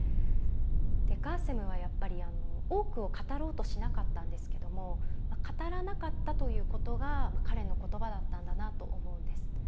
ガーセムはやっぱり多くを語ろうとしなかったんですけども語らなかったということが彼の言葉だったんだなと思うんです。